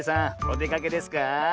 おでかけですか？